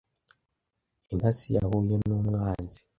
Intasi yahuye n’umwanzi.